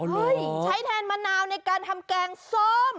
ใช้แทนมะนาวในการทำแกงส้ม